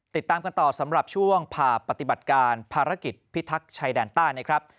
ติดตามกันต่อสำหรับช่วงผ่าปฏิบัติการภารกิจพิทักษ์ชายแดนใต้นะครับ